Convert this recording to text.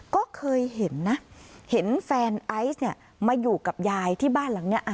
ก็เคยเห็นนะเห็นแฟนไอซ์เนี่ยมาอยู่กับยายที่บ้านหลังนี้